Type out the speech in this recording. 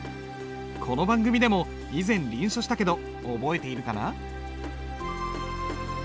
この番組でも以前臨書したけど覚えているかな？